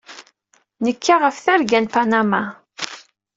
Nekka ɣef Terga n Panama.